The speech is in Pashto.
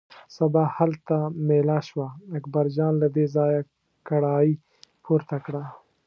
سبا هلته مېله شوه، اکبرجان له دې ځایه کړایی پورته کړه.